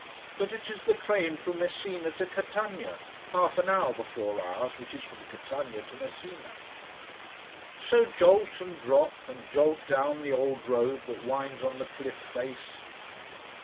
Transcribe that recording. But it is the train from Messina to Catania, half an hour before ours, which is from Catania to Messina. So jolt, and drop, and jolt down the old road that winds on the cliff face.